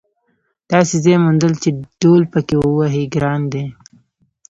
داسې ځای موندل چې ډهل پکې ووهې ګران دي.